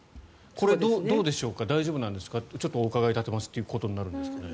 これどうでしょうか大丈夫なんですかちょっとお伺いしますということになってるんですかね。